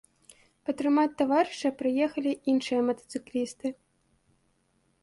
Падтрымаць таварыша прыехалі іншыя матацыклісты.